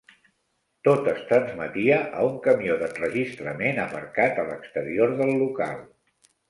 Tot es transmetia a un camió d'enregistrament aparcat a l'exterior del local.